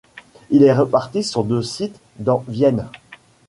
Il est réparti sur deux sites dans Vienne.